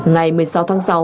ngày một mươi sáu tháng sáu